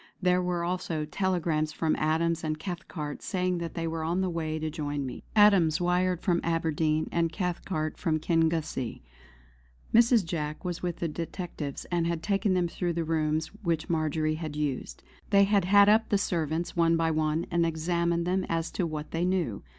There were also telegrams from Adams and Cathcart saying that they were on the way to join me. Adams wired from Aberdeen, and Cathcart from Kingussie. Mrs. Jack was with the detectives and had taken them through the rooms which Marjory had used. They had had up the servants one by one and examined them as to what they knew.